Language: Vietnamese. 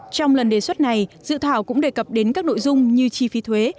trong lần đề xuất này dự thảo cũng đề cập đến các nội dung như chi phí thuế